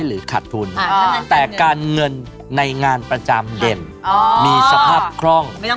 หรือขาดทุนแต่การเงินในงานประจำเด่นมีสภาพคล่อง